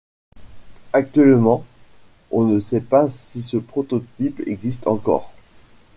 Actuellement, on ne sait pas si ce prototype existe encore.